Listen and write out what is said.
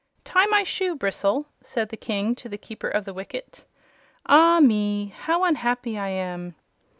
"Tie my shoe, Bristle," said the King to the Keeper of the Wicket. "Ah me! how unhappy I am!"